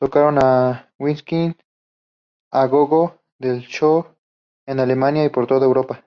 Tocaron en Whisky a Go-Go del Soho, en Alemania y por toda Europa.